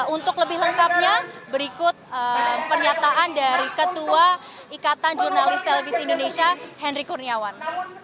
untuk lebih lengkapnya berikut pernyataan dari ketua ikatan jurnalis televisi indonesia henry kurniawan